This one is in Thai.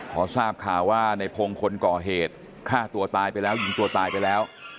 พอทราบข่าวว่าในพงศ์คนก่อเหตุฆ่าตัวตายไปแล้วยิงตัวตายไปแล้ว